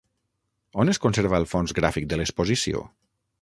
On es conserva el fons gràfic de l'exposició?